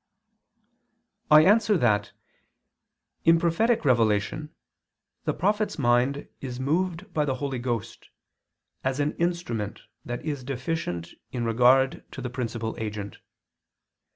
I answer that, In prophetic revelation the prophet's mind is moved by the Holy Ghost, as an instrument that is deficient in regard to the principal agent.